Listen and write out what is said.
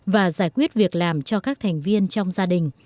và giải quyết việc làm cho các thành viên trong gia đình